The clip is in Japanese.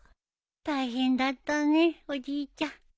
大変だったねおじいちゃん。